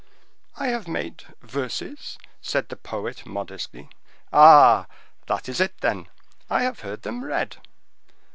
"I have made verses," said the poet, modestly. "Ah! that is it, then; I have heard them read."